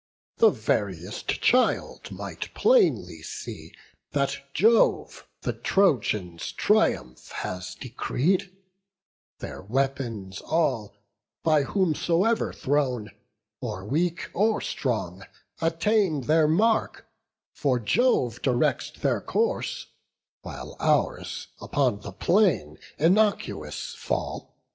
the veriest child might plainly see That Jove the Trojans' triumph has decreed: Their weapons all, by whomsoever thrown, Or weak, or strong, attain their mark; for Jove Directs their course; while ours upon the plain Innocuous fall.